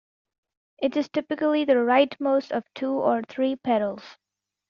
It is typically the rightmost of two or three pedals.